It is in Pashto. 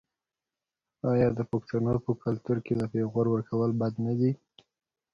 آیا د پښتنو په کلتور کې د پیغور ورکول بد نه دي؟